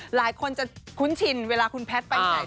หลายคนจะคุ้นชินเวลาคุณแพทย์ไปไหน